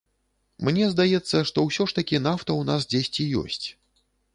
Мне здаецца, што ўсё ж такі нафта ў нас дзесьці ёсць.